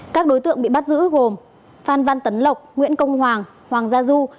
các đối tượng bị bắt giữ gồm phan văn tấn lộc nguyễn công hoàng hoàng gia du